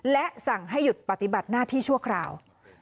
และสั่งให้หยุดปฏิบัติหน้าที่ชั่วคราว